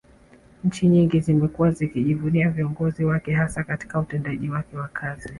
Nchi nyingi zimekuwa zikijivunia viongozi wake hasa Katika utendaji wake wa kazi